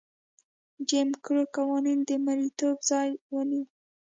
جیم کرو قوانینو د مریتوب ځای ونیو.